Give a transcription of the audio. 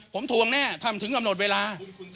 ผมทวงแน่ท่านถึงกำหนดเวลา